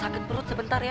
sakit perut sebentar ya